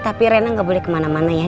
tapi rena nggak boleh kemana mana ya